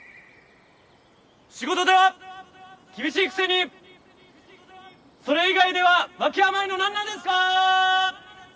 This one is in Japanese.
仕事では厳しいくせにそれ以外では脇甘いの何なんですか！